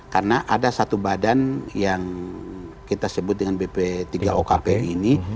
karena ada satu badan yang kita sebut dengan bp tiga okp ini